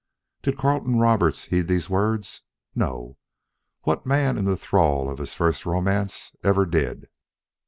Did Carleton Roberts heed these words? No. What man in the thrall of his first romance ever did.